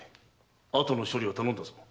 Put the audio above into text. あとの処理を頼んだぞ。